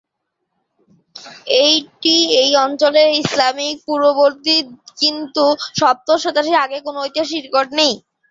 এটি এই অঞ্চলে ইসলামের পূর্ববর্তী, কিন্তু সপ্তদশ শতাব্দীর আগে কোনও ঐতিহাসিক রেকর্ড টিকে নেই।